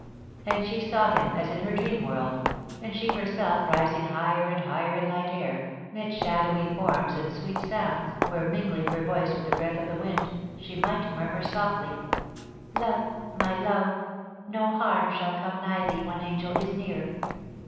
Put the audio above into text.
And she saw him as in her dream world, and she herself rising higher and higher in light air, mid shadowy forms and sweet sounds, where, mingling her voice with the breath of the wind, she might murmur softly : *Love, my love! no harm shall come nigh thee when Angel is near.'